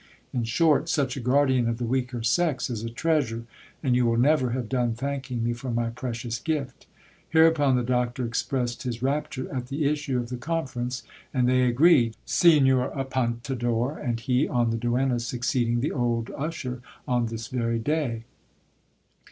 In short, such a guardian of the weaker sex is a treasure, and you will never have done thanking me for my precious gift. Hereupon the doctor expressed his rapture at the issue of the conference ; and they agreed, Signor Apuntador and he, on the duenna's succeeding the old usher on this very day.